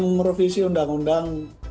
untuk memperbaiki undang undang